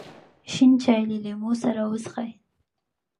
شین چای له لیمو سره وڅښئ.